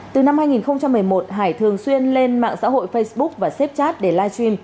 từ năm hai nghìn một mươi một hải thường xuyên lên mạng xã hội facebook và xếp chat để live stream